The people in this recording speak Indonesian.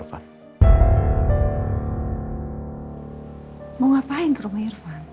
kalau dia ke rumah